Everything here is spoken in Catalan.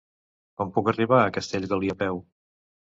Com puc arribar a Castellgalí a peu?